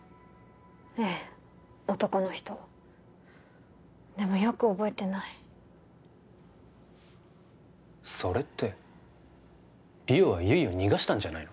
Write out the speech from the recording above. ええ男の人でもよく覚えてないそれって莉桜は悠依を逃がしたんじゃないの？